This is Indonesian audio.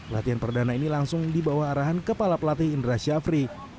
latihan perdana ini langsung dibawa arahan kepala pelatih indra syafri